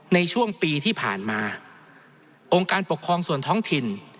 ในช่วงปีที่ผ่านมาองค์การปกครองส่วนท้องถิ่น